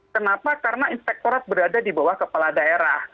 kenapa karena inspektorat berada di bawah kepala daerah